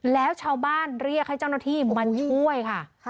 แล้วชาวบ้านเรียกให้เจ้าหน้าที่มาช่วยค่ะ